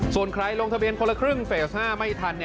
ส่วนใครลงทะเบียนคนละครึ่งเฟส๕ไม่ทัน